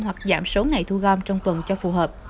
hoặc giảm số ngày thu gom trong tuần cho phù hợp